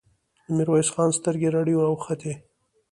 د ميرويس خان سترګې رډې راوختې.